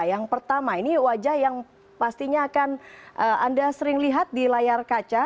yang pertama ini wajah yang pastinya akan anda sering lihat di layar kaca